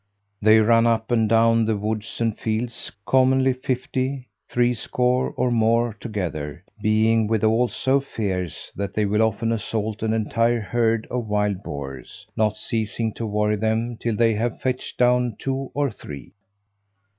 They run up and down the woods and fields, commonly fifty, threescore, or more, together; being withal so fierce, that they will often assault an entire herd of wild boars, not ceasing to worry them till they have fetched down two or three.